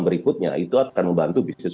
berikutnya itu akan membantu bisnis